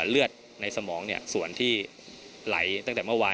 เลือดในสมองส่วนที่ไหลตั้งแต่เมื่อวาน